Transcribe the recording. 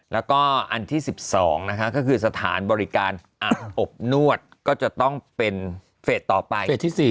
แล้วก็อันที่๑๒ก็คือสถานบริการอบนวดก็จะต้องเป็นเฟสต่อไป